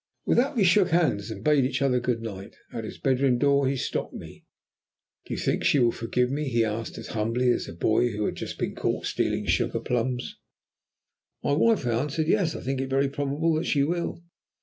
With that we shook hands, and bade each other good night. At his bedroom door he stopped me. "Do you think she will forgive me?" he asked, as humbly as would a boy who had been caught stealing sugar plums. "My wife," I answered. "Yes, I think it is very probable that she will."